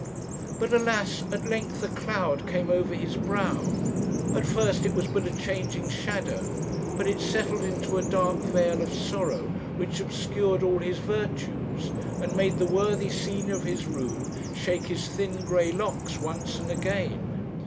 "But, alas! at length a cloud came over his brow. At first it was but a changing shadow; but it settled into a dark veil of sorrow which obscured all his virtues, and made the worthy senior of his room shake his thin grey locks once and again.